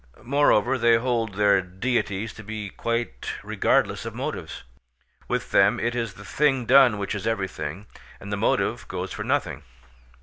Moreover, they hold their deities to be quite regardless of motives. With them it is the thing done which is everything, and the motive goes for nothing.